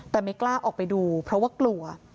แต่ไม่กล้าออกไปดูเพราะว่ากลัว